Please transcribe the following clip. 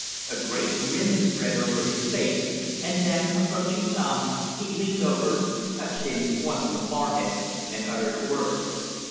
A great grin spread over his face and then, approaching Tom, he leaned over, touched him once on the forehead, and uttered a word.